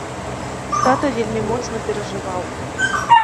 Тата вельмі моцна перажываў.